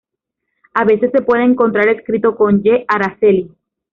A veces se puede encontrar escrito con 'Y': Aracely.